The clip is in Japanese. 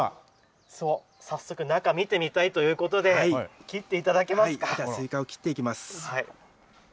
早速、中、見てみたいというスイカを切っていきます。